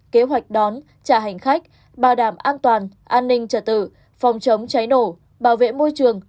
kế hoạch đón trả hành khách bảo đảm an toàn an ninh trả tự phòng chống cháy nổ bảo vệ môi trường